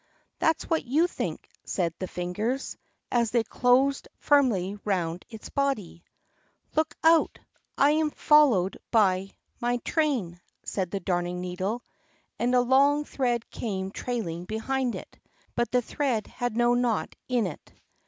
"That's what you think," said the fingers, as they closed firmly round its body. "Look out! I am followed by my train," said the Darning needle, and a long thread came trailing behind it; but the thread had no knot in it.